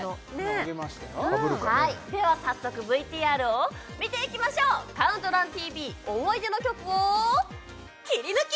かぶるかねでは早速ＶＴＲを見ていきましょう「ＣＤＴＶ」思い出の曲をキリヌキ！